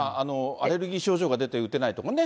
アレルギー症状が出て打てないとかね。